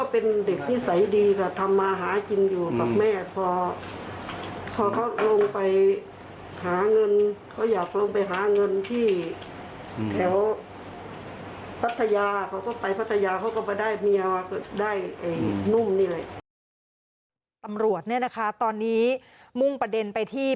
ต้อนิ่งกลับนี่นะคะมุ่งประเด็นไปที่